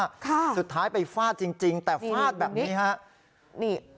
ค่ะสุดท้ายไปฟาดจริงจริงแต่ฟาดแบบนี้ฮะนี่